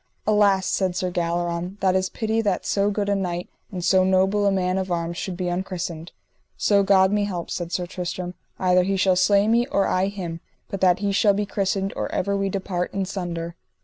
Alas, said Sir Galleron, that is pity that so good a knight and so noble a man of arms should be unchristened. So God me help, said Sir Tristram, either he shall slay me or I him but that he shall be christened or ever we depart in sunder.